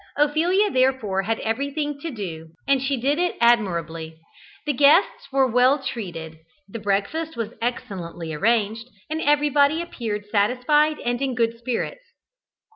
Ophelia therefore had everything to do, and she did it admirably. The guests were well treated, the breakfast was excellently arranged, and everybody appeared satisfied and in good spirits.